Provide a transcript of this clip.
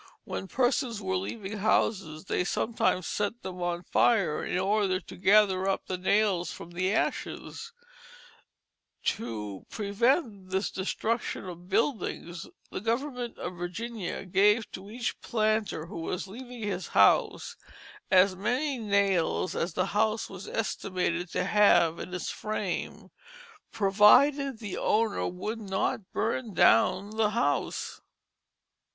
When persons were leaving houses, they sometimes set them on fire in order to gather up the nails from the ashes. To prevent this destruction of buildings, the government of Virginia gave to each planter who was leaving his house as many nails as the house was estimated to have in its frame, provided the owner would not burn the house down.